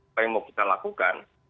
apa yang mau kita lakukan